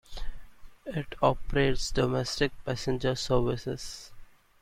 It operates domestic passenger services.